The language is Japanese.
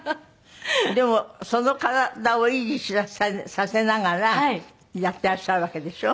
でもその体を維持させながらやっていらっしゃるわけでしょ？